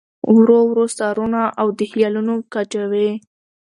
ورو ورو ساروانه او د خیالونو کجاوې